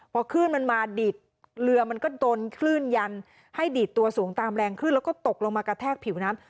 พอคลื่นมันมาดีดเรือมันก็โดนคลื่นยันให้ดีดตัวสูงตามแรงขึ้นแล้วก็ตกลงมากระแทกผิวน้ำ